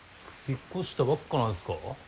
引っ越したばっかなんですか？